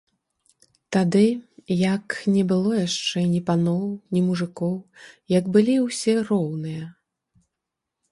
Тады, як не было яшчэ ні паноў, ні мужыкоў, як былі ўсе роўныя.